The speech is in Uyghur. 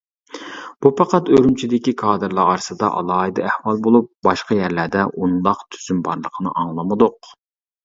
بۇ پەقەت ئۈرۈمچىدىكى كادىرلار ئارىسىدا ئالاھىدە ئەھۋال بولۇپ، باشقا يەرلەردە ئۇنداق تۈزۈم بارلىقىنى ئاڭلىمىدۇق.